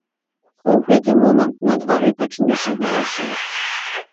У гэты момант на двары пачуліся галасы.